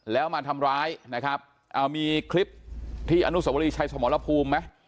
แล้วมาทำร้ายนะครับเอามีคลิปที่อนุสวรีชัยสมรภูมิไหม